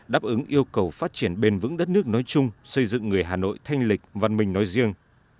đáp ứng yêu cầu phát triển bền vững đất nước nói chung xây dựng người hà nội thanh lịch văn minh nói riêng